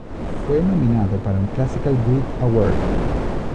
Fue nominado para un Classical Brit Award.